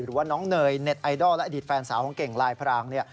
หรือว่าน้องเนยเน็ตไอดอลและอดีตแฟนสาวของเก่งลายพรางเนี่ย